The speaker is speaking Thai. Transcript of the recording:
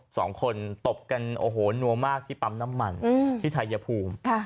สองคนตบกันโอ้โหนัวมากที่ปั๊มน้ำมันที่ชายภูมิ